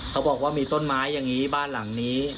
เขาบอกว่ามีต้นไม้อย่างนี้บ้านหลังนี้